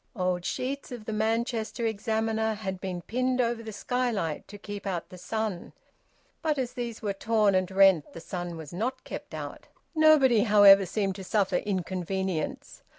Old sheets of the "Manchester Examiner" had been pinned over the skylight to keep out the sun, but, as these were torn and rent, the sun was not kept out. Nobody, however, seemed to suffer inconvenience.